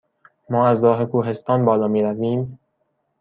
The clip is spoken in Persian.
ما از راه کوهستان بالا می رویم؟